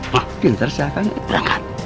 wah kita harus jalan kan